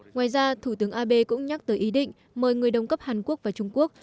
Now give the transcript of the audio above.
ngoài ra thủ tướng abe cũng nhắc tới ý định mời người đồng cấp hàn quốc và trung quốc